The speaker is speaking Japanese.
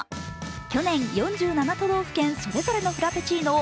去年４７都道府県それぞれのプラペチーノを